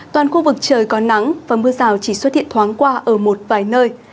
toàn khu vực trời có nắng và mưa rào chỉ xuất hiện thoáng qua ở một vài nơi